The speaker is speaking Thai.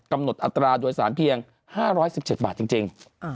อัตราโดยสารเพียง๕๑๗บาทจริง